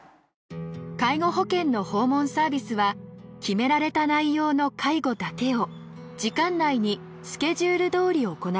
介護保険の訪問サービスは決められた内容の介護だけを時間内にスケジュールどおり行います。